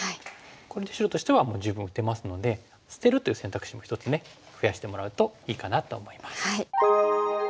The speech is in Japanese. これで白としてはもう十分打てますので捨てるという選択肢も一つね増やしてもらうといいかなと思います。